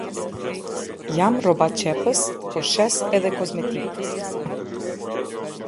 Jam rrobaqepës, por shes edhe kozmetikë.